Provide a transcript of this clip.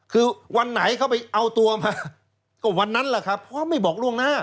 คือวันไหนเขาไปเอาตัวมาก็วันนั้นแหละครับเพราะไม่บอกล่วงหน้า